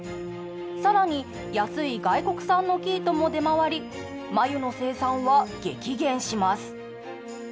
更に安い外国産の生糸も出回り繭の生産は激減します。